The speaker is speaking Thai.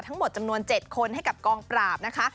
ทั้งหมดจำนวน๗คนให้กับกองปราบนะคะ